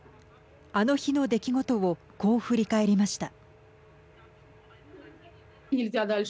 あの日の出来事をこう振り返りました。